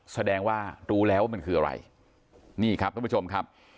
แสดงว่ารู้แล้วว่ามันคืออะไรนี่ครับท่านผู้ชมครับ